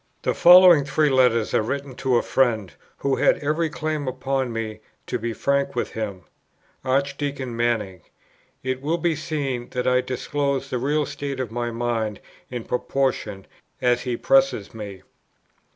The following three letters are written to a friend, who had every claim upon me to be frank with him, Archdeacon Manning: it will be seen that I disclose the real state of my mind in proportion as he presses me.